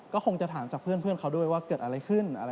ก็คงจะถามจากเพื่อนเขาด้วยว่าเกิดอะไรขึ้น